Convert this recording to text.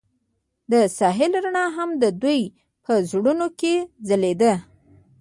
د ساحل رڼا هم د دوی په زړونو کې ځلېده.